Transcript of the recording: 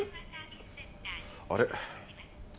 あれ？